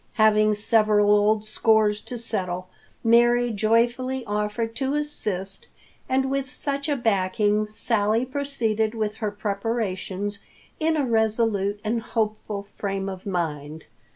Having several old scores to settle, Mary joyfully offered to assist, and with such a backing Sally proceeded with her preparations in a resolute and hopeful frame of mind.